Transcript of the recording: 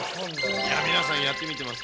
皆さん、やってみてますよ。